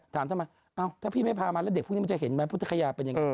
ถามทำไมเอ้าถ้าพี่ไม่พามาแล้วเด็กพวกนี้มันจะเห็นไหมพุทธภัยาเป็นอย่างเงี้ย